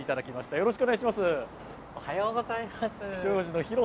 よろしくお願いします。